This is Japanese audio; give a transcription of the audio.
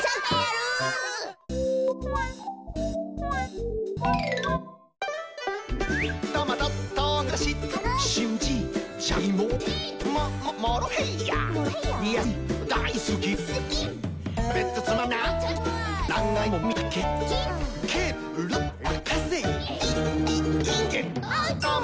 うん。